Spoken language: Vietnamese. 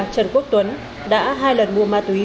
trần quốc tuấn đã hai lần mua ma túy